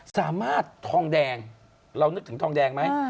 ทองแดงเรานึกถึงทองแดงไหม